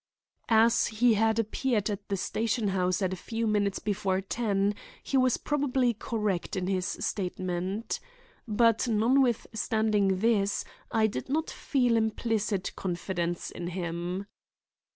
As he had appeared at the station house at a few minutes before ten he was probably correct in this statement. But, notwithstanding this, I did not feel implicit confidence in him.